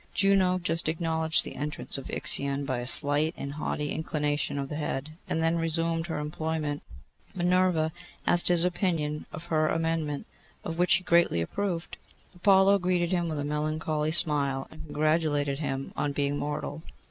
Juno just acknowledged the entrance of Ixion by a slight and haughty inclination of the head, and then resumed her employment. Minerva asked him his opinion of her amendment, of which he greatly approved. Apollo greeted him with a melancholy smile, and congratulated him on being mortal.